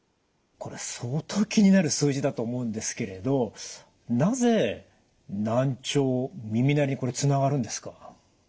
これ相当気になる数字だと思うんですけれどなぜ難聴耳鳴りにこれつながるんですか？